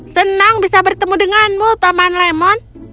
senang bisa bertemu denganmu paman lemo